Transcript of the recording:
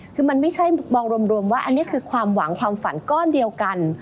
คือมันไม่ใช่มองรวมว่าอันนี้คือความหวังความฝันก้อนเดียวกัน